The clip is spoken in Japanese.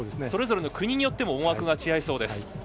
それぞれの国によっても思惑が違いそうです。